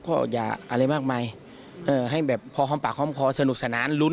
พอให้ได้ลุ้น